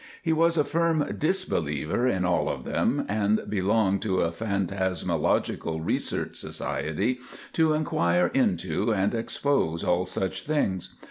He was a firm disbeliever in all of them, and belonged to a Phantasmalogical Research Society to inquire into and expose all such things.